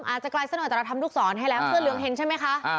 อาจจะแสดงจะเปล่าทำลูกศรให้เลยเสื้อเหลืองเห็นใช่ไหมคะ